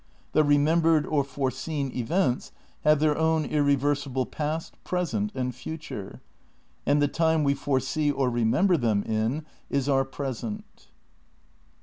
The remembered or foreseen events have their own irreversible past, present and future. And the time we foresee or remember them in is our present.